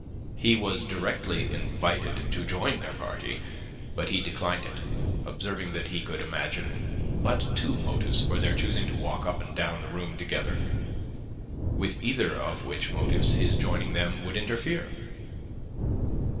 He was directly invited to join their party, but he declined it, observing that he could imagine but two motives for their choosing to walk up and down the room together, with either of which motives his joining them would interfere.